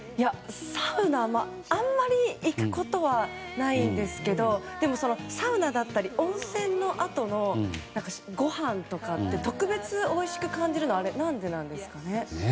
サウナ、あんまり行くことはないんですけどでも、サウナだったり温泉のあとのごはんとかって特別、おいしく感じるのは何でなんですかね。